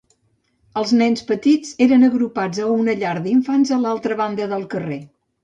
Els nens petits eren agrupats a una llar d'infants a l'altra banda del carrer.